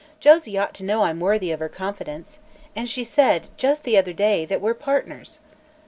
"Josie ought to know I'm worthy of her confidence. And she said, just the other day, that we're partners."